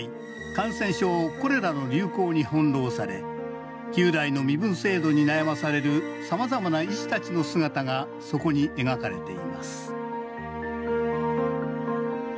感染症コレラの流行に翻弄され旧来の身分制度に悩まされるさまざまな医師たちの姿がそこに描かれています